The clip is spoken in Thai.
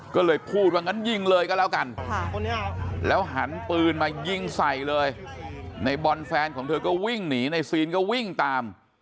ก็เลยพูดว่างั้นยิงเลยก็แล้วกันแล้วหันปืนมายิงใส่เลยในบอลแฟนของเธอก็วิ่งหนีในซีนก็วิ่งตาม